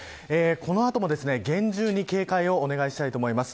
この後も厳重に警戒をお願いします。